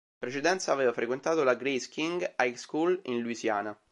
In precedenza aveva frequentato la Grace King High School in Louisiana.